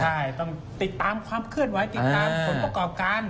ใช่ต้องติดตามความเคลื่อนไหวติดตามผลประกอบการ